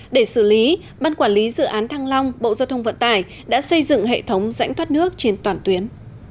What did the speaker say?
để xử lý ban quản lý dự án thăng long bộ giao thông vận tải đã xây dựng hệ thống rãnh thoát nước trên toàn tuyến